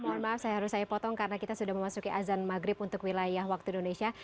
mohon maaf saya harus saya potong karena kita sudah memasuki azan maghrib untuk wilayah waktu indonesia